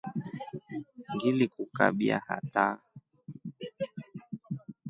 Ngilikukabia hataa.